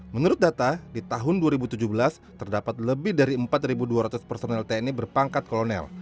menurut data di tahun dua ribu tujuh belas terdapat lebih dari empat dua ratus personel tni berpangkat kolonel